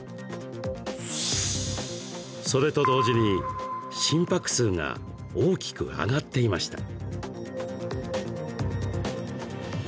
それと同時に心拍数が大きく上がっていました。